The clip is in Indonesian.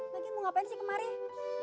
lagi mau ngapain sih kemarin